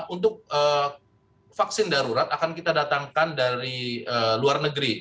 untuk vaksin darurat akan kita datangkan dari luar negeri